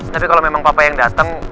tapi kalau memang papa yang datang